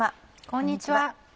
こんにちは。